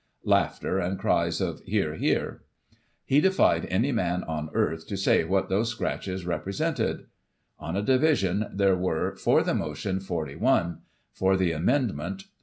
(Laughter, and cries of " Hear, hear.") He defied any man on earth to say what those scratches represented On a division there were, for the motion 41 ; for the amendment 31.